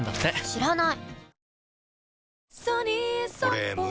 知らない！